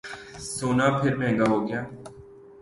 سونا پھر مہنگا ہوگیا